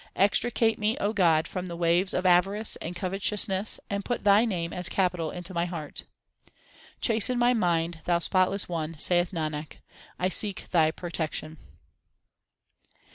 Extricate me, O God, from the waves of avarice and covetousness, and put Thy name as capital into my heart. Chasten my mind. Thou spotless One, saith Nanak, I seek Thy protection.